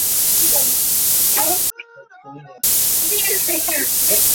তিনি Brisbane grammar স্কুলে পড়াশোনা করেছেন।